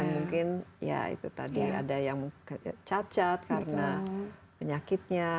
mungkin ya itu tadi ada yang cacat karena penyakitnya